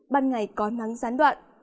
ban ngày có nắng gián đoạn